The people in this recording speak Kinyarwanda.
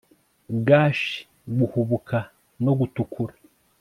Gash guhubuka no gutukura